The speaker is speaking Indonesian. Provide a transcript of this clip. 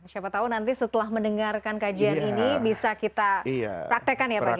siapa tahu nanti setelah mendengarkan kajian ini bisa kita praktekkan ya pagi